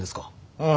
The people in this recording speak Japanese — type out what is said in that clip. ああ。